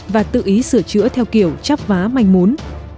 và tự ý sửa chữa theo kiểu chắp vá manh mốn